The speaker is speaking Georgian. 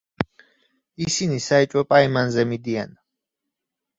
ისინი საეჭვო პაემანზე მიდიან.